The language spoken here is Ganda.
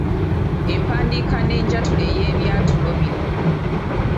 Empandiika n'enjatula ey’ebyatulo bino.